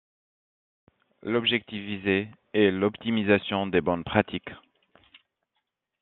L'objectif visé est l'optimisation des bonnes pratiques.